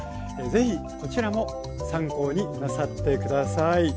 ぜひこちらも参考になさって下さい。